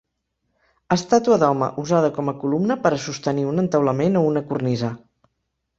Estàtua d'home usada com a columna per a sostenir un entaulament o una cornisa.